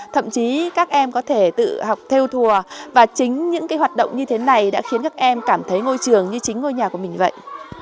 thậm chí các em có thể tự học theo thùa và chính những hoạt động như thế này đã khiến các em cảm thấy ngôi trường như chính ngôi nhà của mình vậy